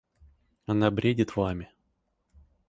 Она бредит вами.